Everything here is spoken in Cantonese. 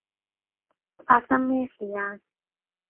發生咩事啊？